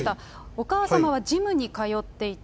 お母様はジムに通っていた。